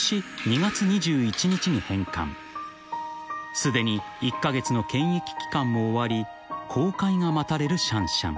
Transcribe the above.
［すでに１カ月の検疫期間も終わり公開が待たれるシャンシャン］